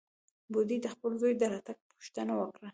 بوډۍ د خپل زوى د راتګ پوښتنه وکړه.